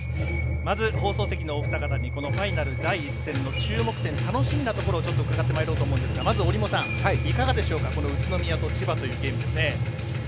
まず、放送席のお二方にファイナル第１戦の注目点、楽しみなところを伺おうと思いますがどうでしょうか、宇都宮と千葉というゲーム。